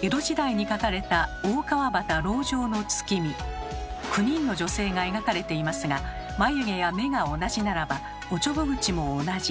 江戸時代に描かれた９人の女性が描かれていますが眉毛や目が同じならばおちょぼ口も同じ。